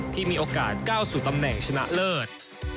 ที่มีโอกาสก้าวสู่ตำแหน่งชนะเลิศ